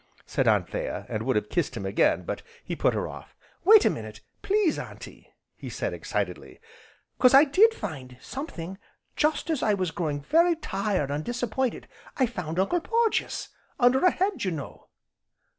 said Anthea, and would have kissed him again, but he put her off: "Wait a minute, please Auntie," he said excitedly, "'cause I did find something, just as I was growing very tired an' disappointed, I found Uncle Porges under a hedge, you know."